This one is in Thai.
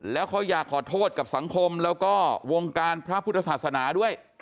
แล้วเขาอยากขอโทษกับสังคมแล้วก็วงการพระพุทธศาสนาด้วย